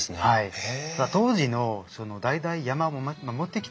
へえ。